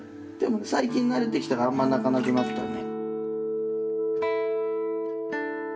最近慣れてきたらあんま泣かなくなったね。